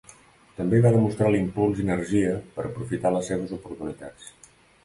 També va demostrar l'impuls i l'energia per aprofitar les seves oportunitats.